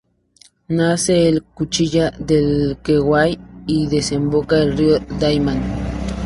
Nace en la Cuchilla del Queguay y desemboca en la río Daymán.